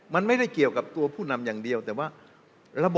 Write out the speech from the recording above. มันไม่ได้เกี่ยวกับตัวผู้นำอย่างเดียวแต่ว่าระบบ